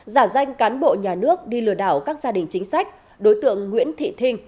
giả danh cán bộ nhà nước đi lừa đảo các gia đình chính sách đối tượng nguyễn thị thinh